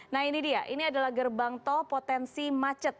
nah ini dia ini adalah gerbang tol potensi macet